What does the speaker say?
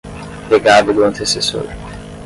Pegada do antecessor